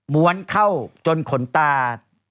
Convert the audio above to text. ้วนเข้าจนขนตา